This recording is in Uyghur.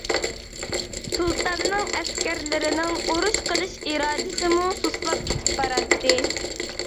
سۇلتاننىڭ ئەسكەرلىرىنىڭ ئۇرۇش قىلىش ئىرادىسىمۇ سۇسلاپ كېتىپ باراتتى.